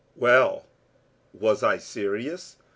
Well, was I serious?